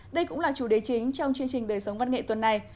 đây cũng là chủ đề chính trong chương trình đời sống văn nghệ tuần này